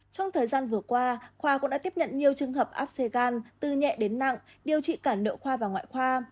trong thời gian vừa qua khoa cũng đã tiếp nhận nhiều trường hợp áp xe gan từ nhẹ đến nặng điều trị cả nội khoa và ngoại khoa